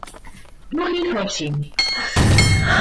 Yuji Hoshi